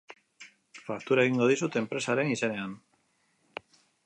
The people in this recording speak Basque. Faktura egingo dizut enpresaren izenean.